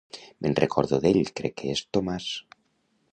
Me'n recordo d'ell, crec que és Tomàs.